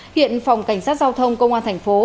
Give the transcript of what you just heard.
hiện phòng cảnh sát giao thông công an thành phố